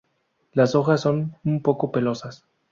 Las hojas son un poco pelosas.